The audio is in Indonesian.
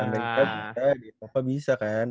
di amerika bisa di eropa bisa kan